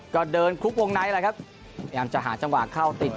ก็เดินคลุกวงไนท์เลยครับอยากจะหาจังหวะเข้าติด